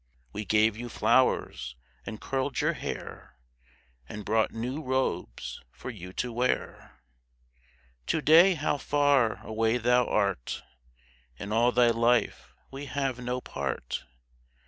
We gave you flowers and curled your hair, And brought new robes for you to wear. To day how far away thou art ! In all thy life we have no part.